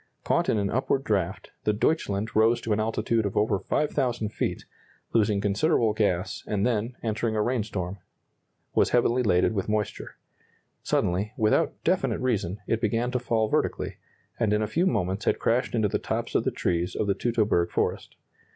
Caught in an upward draft, the "Deutschland" rose to an altitude of over 5,000 feet, losing considerable gas, and then, entering a rainstorm, was heavily laden with moisture. Suddenly, without definite reason, it began to fall vertically, and in a few moments had crashed into the tops of the trees of the Teutoberg forest.